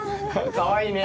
かわいいね。